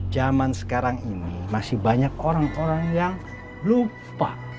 zaman sekarang ini masih banyak orang orang yang lupa